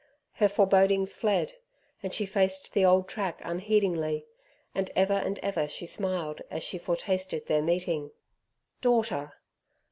Her forebodings fled, and she faced the old track unheedingly, and ever and ever she smiled, as she foretasted their meeting. "Daughter!"